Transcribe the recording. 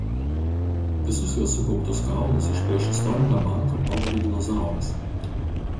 Visus jo sukauptus kaulus iš priešistorinio banko pavogė dinozauras.